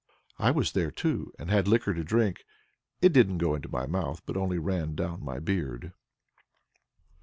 I was there, too, and had liquor to drink; it didn't go into my mouth, but only ran down my beard.